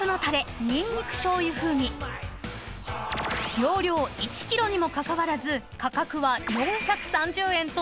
［容量１ｋｇにもかかわらず価格は４３０円と超コスパ商品］